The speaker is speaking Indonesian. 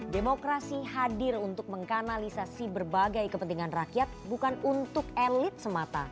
demokrasi hadir untuk mengkanalisasi berbagai kepentingan rakyat bukan untuk elit semata